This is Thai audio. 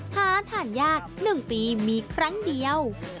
หาทานยาก๑ปีมีครั้งเดียว